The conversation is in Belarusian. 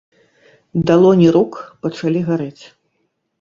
Далоні рук пачалі гарэць.